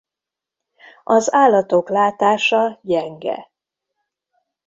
Az állatok látása gyenge.